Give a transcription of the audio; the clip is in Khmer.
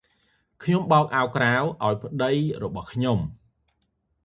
ខ្ញុំបោកអាវក្រៅ អោយប្តីរបស់ខ្ញុំ។